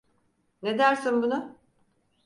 Ne dersin buna?